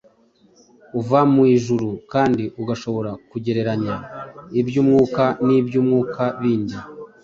uva mu ijuru kandi agashobora kugereranya iby’umwuka n’iby’umwuka bindi.